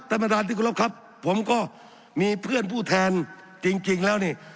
ท่านประธานที่กรบครับผมก็มีเพื่อนผู้แทนจริงจริงแล้วนี่